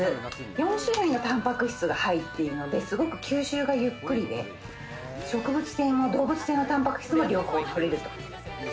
４種類のタンパク質が入っているので、すごく吸収がゆっくりで、植物性も動物性のタンパク質も両方摂れる。